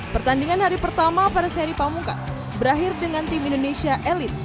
pertandingan hari pertama pada seri pamungkas berakhir dengan tim indonesia elit